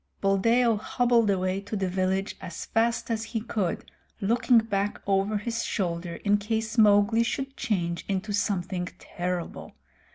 Buldeo hobbled away to the village as fast as he could, looking back over his shoulder in case Mowgli should change into something terrible.